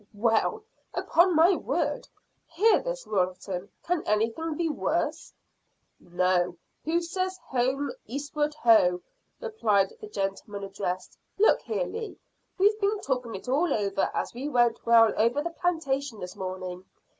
"Well, upon my word! Hear this, Wilton! Can anything be worse?" "No. Who says home Eastward Ho!" replied the gentleman addressed. "Look here, Lee; we've been talking it all over as we went well over the plantation this morning.